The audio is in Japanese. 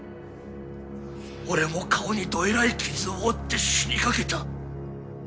俺も顔にどえらい傷を負って死にかけた。